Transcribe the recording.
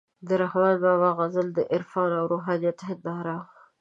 د رحمان بابا غزل د عرفان او روحانیت هنداره وه،